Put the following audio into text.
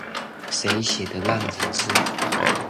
這誰寫的爛程式